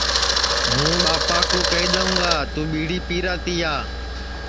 ہُوں ٻاپا کُو کیہیدؔیوں گا تُوں ٻِیڑی پِیرا تِیا